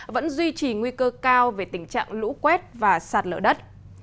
vẫn duy trì nguy cơ cao về tình trạng lũ quét và sạt lỡ đất